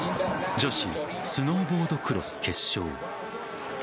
女子スノーボードクロス決勝。